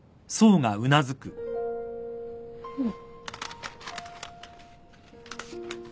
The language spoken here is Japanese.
うん。